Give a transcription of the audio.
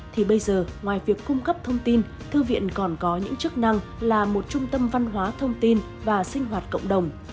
thì bây giờ ngoài việc cung cấp thông tin thư viện còn có những chức năng là một trung tâm văn hóa thông tin và sinh hoạt cộng đồng